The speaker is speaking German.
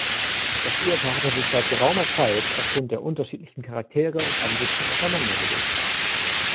Das Ehepaar hatte sich seit geraumer Zeit aufgrund der unterschiedlichen Charaktere und Ansichten auseinandergelebt.